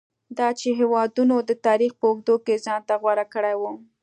دا چې هېوادونو د تاریخ په اوږدو کې ځان ته غوره کړي وو.